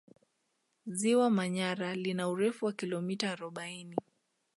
Ziwa Manyara lina urefu wa kilomita arobaini